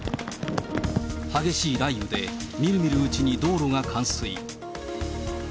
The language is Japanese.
激しい雷雨で、みるみるうちに道路が冠水。